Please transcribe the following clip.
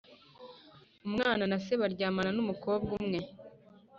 Umwana na se baryamana n umukobwa umwe